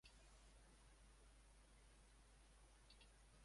Окумуштуулардын божомолу боюнча көл метеориттен пайда болгон.